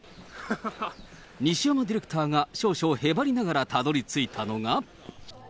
西山ディレクターが少々へばりながらたどりついたのが。